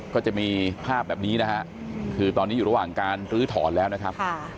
ก็จะมีภาพแบบนี้นะฮะคือตอนนี้อยู่ระหว่างการลื้อถอนแล้วนะครับ